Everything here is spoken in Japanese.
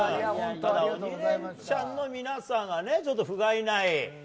ただ「鬼レンチャン」の皆さんがふがいない。